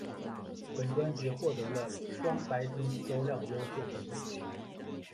本专辑获得双白金销量优秀成绩。